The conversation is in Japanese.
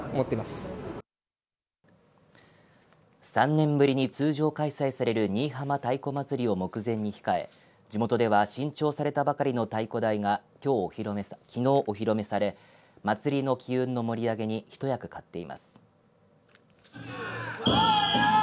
３年ぶりに通常開催される新居浜太鼓祭りを目前に控え地元では新調されたばかりの太皷台がきのうお披露目され祭りの機運の盛り上げに一役買っています。